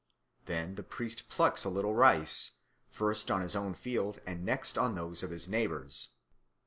Then the priest plucks a little rice, first on his own field and next on those of his neighbours.